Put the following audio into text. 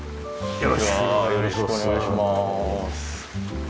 よろしくお願いします。